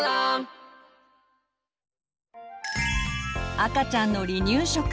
赤ちゃんの離乳食。